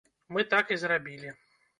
Мы так і зрабілі.